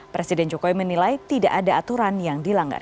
presiden jokowi menilai tidak ada aturan yang dilanggar